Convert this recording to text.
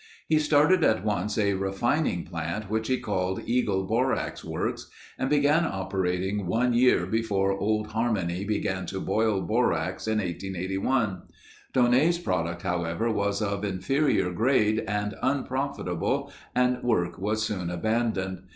He started at once a refining plant which he called Eagle Borax Works and began operating one year before Old Harmony began to boil borax in 1881. Daunet's product however, was of inferior grade and unprofitable and work was soon abandoned.